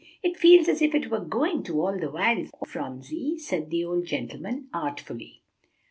"It feels as if it were going to, all the while, Phronsie," said the old gentleman artfully.